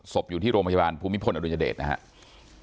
ศพอยู่ที่โรงพยาบาลภูมิพลอัตโนยเดชน์นะครับ